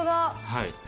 はい。